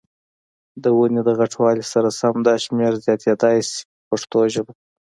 د ونې د غټوالي سره سم دا شمېر زیاتېدلای شي په پښتو ژبه.